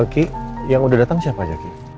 ki yang udah datang siapa aja ki